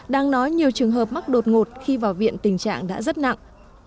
đang nói nhiều trường hợp mắc đột ngột khi vào viện tình trạng đã rất nặng